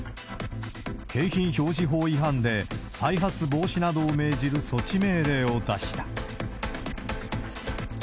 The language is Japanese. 景品表示法違反で、再発防止などを命じる措置命令を出した。